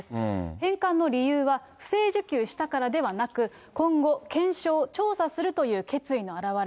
返還の理由は、不正受給したからではなく、今後、検証、調査するという決意の表れ。